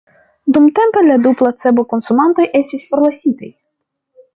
Dumtempe la du placebo-konsumantoj estis forlasitaj.